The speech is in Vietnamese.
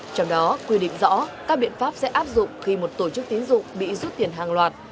trong đó quy định rõ các biện pháp sẽ áp dụng khi một tổ chức tín dụng bị rút tiền hàng loạt